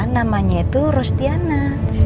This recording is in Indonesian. namanya itu rostiana